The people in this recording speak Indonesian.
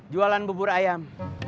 jualan bubur ayam